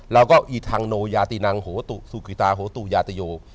แล้วก็อีทังโนยาตินังโหตุสุกิตาโหตุยาตโย